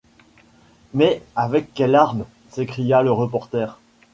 Mais avec quelle arme? s’écria le reporter.